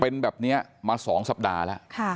เป็นแบบนี้มาสองสัปดาห์แล้วค่ะ